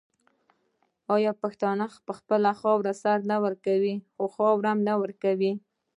آیا پښتون په خپله خاوره سر نه ورکوي خو خاوره نه ورکوي؟